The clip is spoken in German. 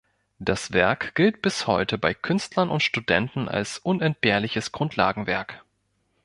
Das Werk gilt bis heute bei Künstlern und Studenten als unentbehrliches Grundlagenwerk.